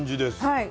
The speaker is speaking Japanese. はい。